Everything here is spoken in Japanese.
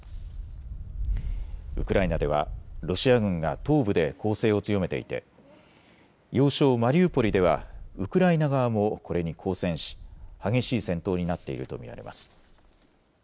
ウクライナではロシア軍が東部で攻勢を強めていて要衝マリウポリではウクライナ側もこれに抗戦し激しい戦闘になっていると見られます。